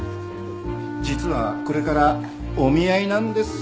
実はこれからお見合いなんです。